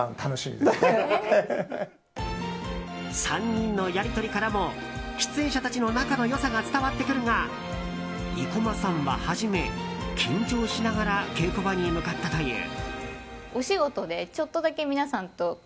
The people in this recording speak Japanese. ３人のやり取りからも出演者たちの仲の良さが伝わってくるが生駒さんは初め、緊張しながら稽古場に向かったという。